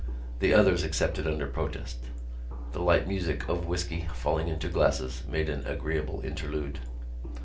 The others accepted under protest. The light music of whisky falling into glasses made an agreeable interlude.